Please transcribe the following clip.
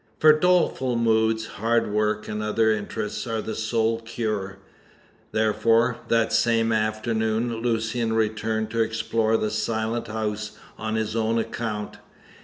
For doleful moods, hard work and other interests are the sole cure; therefore, that same afternoon Lucian returned to explore the Silent House on his own account.